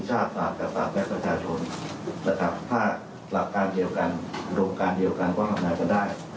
กับภาพแมทประชาชนหลักการเดียวกันโรงการเดียวกันก็ทำงานไปได้